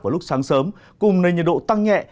vào lúc sáng sớm cùng nền nhiệt độ tăng nhẹ